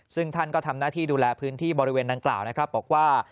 ซึ่งท่านก็ทำหน้าที่ดูแลพื้นที่บริเวณดังกล่าวนะครับบอกว่า